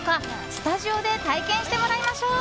スタジオで体験してもらいましょう。